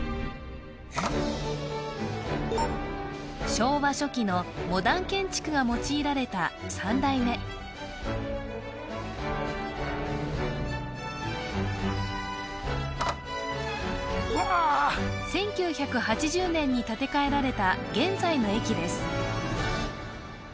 昭和初期のモダン建築が用いられた３代目１９８０年に建て替えられた現在の駅です